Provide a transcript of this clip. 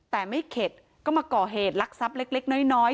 แต่ไม่เข็ดก็มาก่อเหตุรักทรัพย์เล็กเล็กน้อยน้อย